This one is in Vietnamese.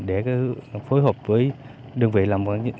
để phối hợp với đơn vị làm